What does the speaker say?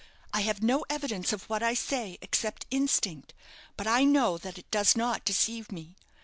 I have no evidence of what I say, except instinct; but I know that it does not deceive me.